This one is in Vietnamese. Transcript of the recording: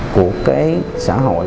của cái xã hội